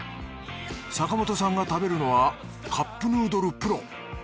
坂本さんが食べるのはカップヌードルプロ。